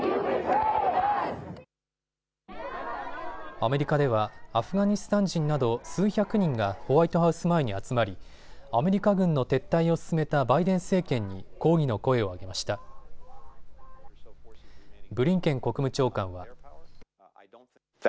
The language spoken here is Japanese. アメリカではアフガニスタン人など数百人がホワイトハウス前に集まりアメリカ軍の撤退を進めたバイデン政権に抗議の声を上げました。